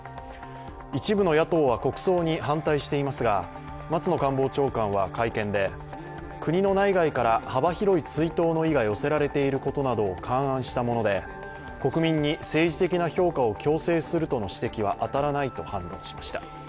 一部の野党は国葬に反対していますが松野官房長官は会見で国の内外から幅広い追悼の意が寄せられていることなどを勘案したもので、国民に政治的な評価を強制するとの指摘は当たらないと判断しました。